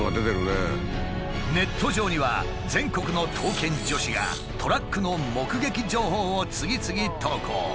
ネット上には全国の刀剣女子がトラックの目撃情報を次々投稿。